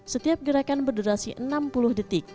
setiap gerakan berdurasi enam puluh detik